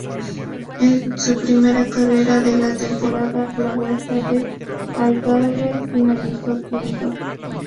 En su primera carrera de la temporada, la Vuelta al Algarve, finalizó quinto.